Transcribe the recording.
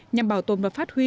nhằm bảo tồn và phát huy